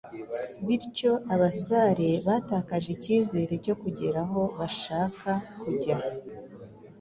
bityo abasare batakaje icyizere cyo kugera aho bashaka kujya